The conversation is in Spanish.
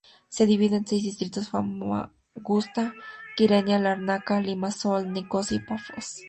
Se divide en seis distritos: Famagusta, Kyrenia, Lárnaca, Limassol, Nicosia y Pafos.